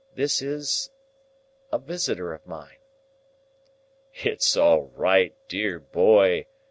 This is—a visitor of mine." "It's all right, dear boy!"